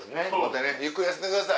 ゆっくり休んでください